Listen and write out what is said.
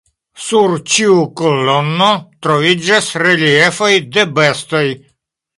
Sur ĉiu kolono troviĝas reliefoj de bestoj.